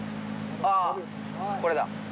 ああ、これだ。